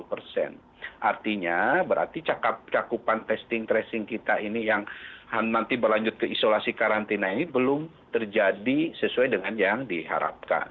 artinya berarti cakupan testing tracing kita ini yang nanti berlanjut ke isolasi karantina ini belum terjadi sesuai dengan yang diharapkan